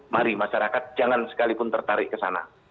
mari masyarakat jangan sekalipun tertarik ke sana